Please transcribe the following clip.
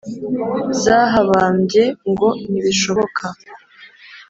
zahabambye ngo ntibishoboka